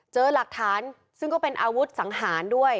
เจอหลักฐานซึ่งก็เป็นอาวุธสังหารด้วย